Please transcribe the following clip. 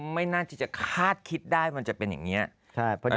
ไม่น่าที่จะคาดคิดได้มันจะเป็นอย่างนี้